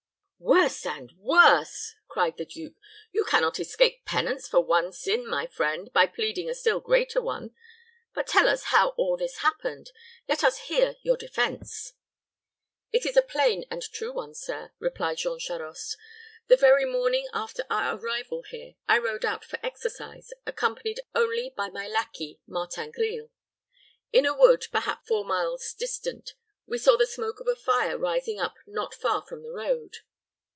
"Worse and worse!" cried the duke; "you can not escape penance for one sin, my friend, by pleading a still greater one. But tell us how all this happened; let us hear your defense." "It is a plain and true one, sir," replied Jean Charost. "The very morning after our arrival here, I rode out for exercise, accompanied only by my lackey, Martin Grille. In a wood, perhaps four miles distant, we saw the smoke of a fire rising up not far from the road.